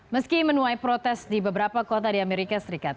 meski menuai protes di beberapa kota di amerika serikat